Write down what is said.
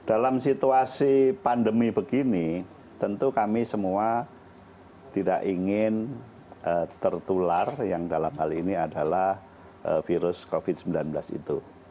dalam situasi pandemi begini tentu kami semua tidak ingin tertular yang dalam hal ini adalah virus covid sembilan belas itu